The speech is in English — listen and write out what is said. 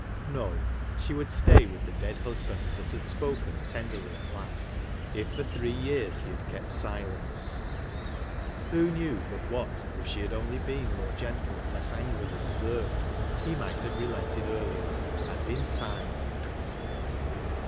No ! she would stay with the dead husband that had spoken tenderly at last, if for three years he had kept silence ; who knew but what, if she had only been more gentle and less angrily reserved he might have relented earlier — and in time